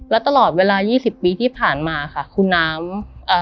และตลอดเวลา๒๐ปีที่ผ่านมาค่ะคุณน้ำ